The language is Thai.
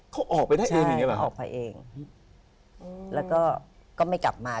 เขาออกไปได้เองอย่างเงี้เหรอออกไปเองแล้วก็ก็ไม่กลับมา